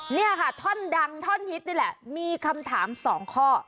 เนี่ยค่ะท่อนดังท่อนฮิตนี่แหละมีคำถาม๒ข้อ